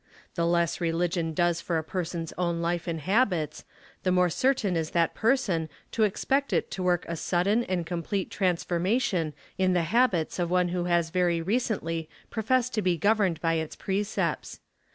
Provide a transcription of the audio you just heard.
The less religion does for a person's own life and habits, the more certain is that person to expect it to work a sudden and complete transformation in the habits of one who has very recently pro fessed to be governed by its precepts.